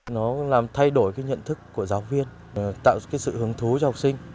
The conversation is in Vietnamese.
nó làm thay đổi nhận thức của giáo viên tạo sự hứng thú cho học sinh